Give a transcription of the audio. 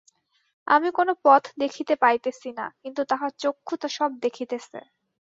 আমি কোন পথ দেখিতে পাইতেছি না, কিন্তু তাঁহার চক্ষু তো সব দেখিতেছে।